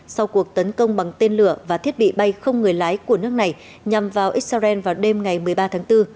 sau cuộc tấn công bằng tên lửa và thiết bị bay không người lái của nước này nhằm vào israel vào đêm ngày một mươi ba tháng bốn